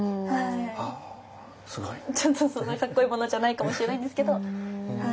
そんなかっこいいものじゃないかもしれないんですけど。